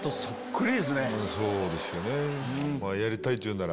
そうですよね。